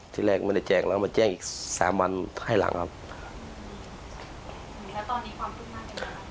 ที่แรกไม่ได้แจ้งแล้วมาแจ้งอีกสามวันให้หลังครับแล้วตอนนี้ความคืบหน้ายังไง